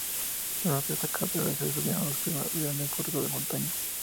Durante esta carrera se subieron los primeros grandes puertos de montaña.